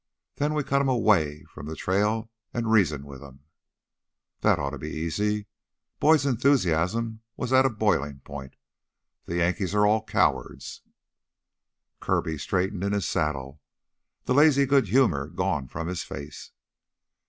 Then we cut 'em away from the trail an' reason with 'em." "That ought to be easy." Boyd's enthusiasm was at the boiling point. "The Yankees are all cowards " Kirby straightened in his saddle, the lazy good humor gone from his face.